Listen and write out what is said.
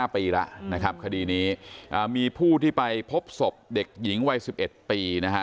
ปีแล้วนะครับคดีนี้มีผู้ที่ไปพบศพเด็กหญิงวัย๑๑ปีนะฮะ